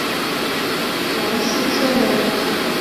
王沂孙人。